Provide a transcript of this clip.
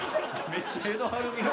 めっちゃエド・はるみの。